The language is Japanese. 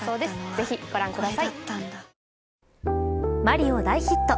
ぜひご覧ください。